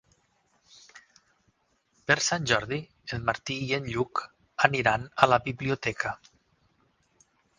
Per Sant Jordi en Martí i en Lluc aniran a la biblioteca.